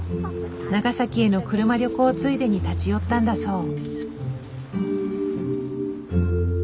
長崎への車旅行ついでに立ち寄ったんだそう。